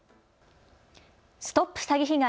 ＳＴＯＰ詐欺被害！